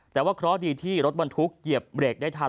แต่ว่าเคราะห์ดีที่รถบรรทุกเหยียบเบรกได้ทัน